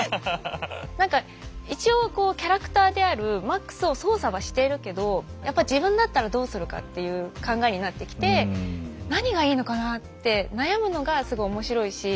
何か一応こうキャラクターであるマックスを操作はしているけどやっぱ自分だったらどうするかっていう考えになってきて何がいいのかなあって悩むのがすごい面白いし